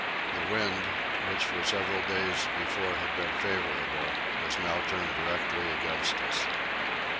The wind, which for several days before had been favourable, was now turned directly against us.